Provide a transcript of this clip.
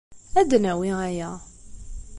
Ad d-nawi aya.